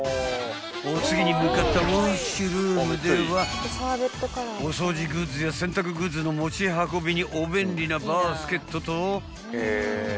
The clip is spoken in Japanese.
［お次に向かったウオッシュルームではお掃除グッズや洗濯グッズの持ち運びにお便利なバスケットと］